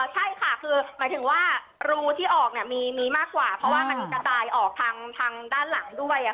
ใช่ค่ะคือหมายถึงว่ารูที่ออกมีมากกว่าเพราะว่ามันกระจายออกทางด้านหลังด้วย